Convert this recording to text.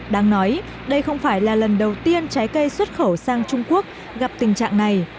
đáng nói đây không phải là lần đầu tiên trái cây xuất khẩu sang trung quốc gặp tình trạng này